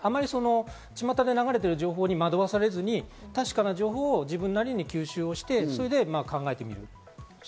ちまたで流れている情報に惑わされずに確かな情報を自分なりに吸収して、そして考えてみる。